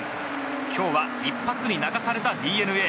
今日は一発に泣かされたＤｅＮＡ。